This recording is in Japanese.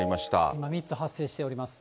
今、３つ発生しております。